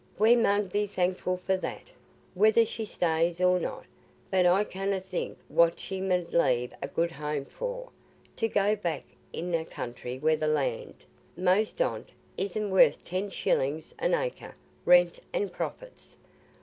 We mun be thankful for that, whether she stays or no. But I canna think what she mun leave a good home for, to go back int' a country where the land, most on't, isna worth ten shillings an acre, rent and profits."